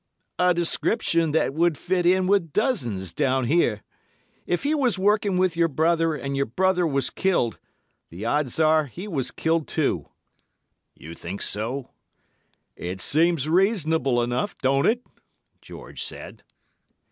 "'A description that would fit in with dozens down here. If he was working with your brother, and your brother was killed, the odds are he was killed too.' "'You think so?' "'It seems reasonable enough, don't it?' George said.